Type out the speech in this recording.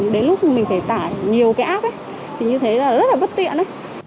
đến lúc mình phải tải nhiều cái áp thì như thế là rất là bất tiện